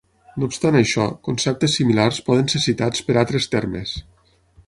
No obstant això, conceptes similars poden ser citats per altres termes.